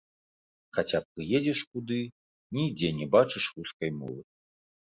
Хаця прыедзеш куды, нідзе не бачыш рускай мовы.